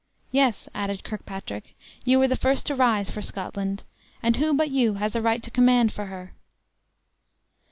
"Yes," added Kirkpatrick; "you were the first to rise for Scotland, and who but you has a right to command for her?"